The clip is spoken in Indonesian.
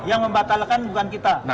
yang membatalkan bukan kita